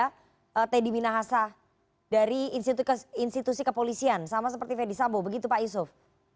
jadi apa yang akan diperoleh t d minahasa dari institusi kepolisian sama seperti fedy sambo begitu pak yusuf